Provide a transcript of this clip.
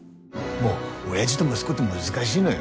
もうおやじど息子って難しいのよ。